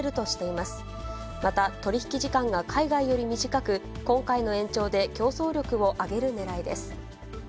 また取り引き時間が海外より短く、今回の延長で競争力を上げるねらいです。